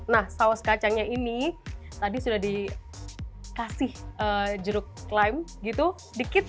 nah saus kacangnya ini tadi sudah dikasih jeruk klaim gitu dikit